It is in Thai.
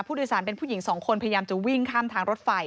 เป็นผู้หญิงสองคนพยายามจะวิ่งข้ามทางรถไฟ